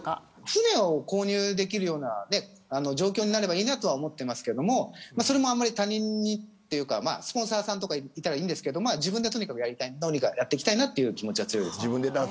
船を購入できるような状況になればいいなと思ってますけどそれも他人にというかスポンサーいたらいいんですけど自分でどうにかやっていきたいという気持ちが強いですね。